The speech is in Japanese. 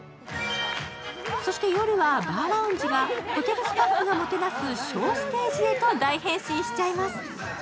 そして夜はバーラウンジが、ホテルスタッフがもてなすショーステージへと大変身しちゃいます。